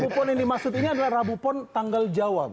bupon yang dimaksud ini adalah rabu pon tanggal jawa